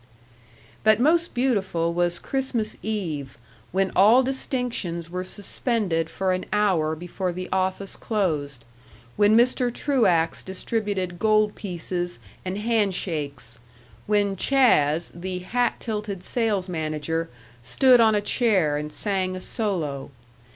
But most beautiful was Christmas Eve, when all distinctions were suspended for an hour before the office closed, when Mr. Truax distributed gold pieces and handshakes, when "Chas.," the hat tilted sales manager, stood on a chair and sang a solo.